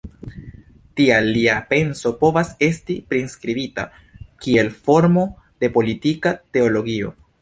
Tial lia penso povas esti priskribita kiel formo de politika teologio.